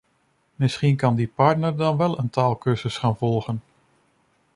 Misschien kan die partner dan wel een taalcursus gaan volgen.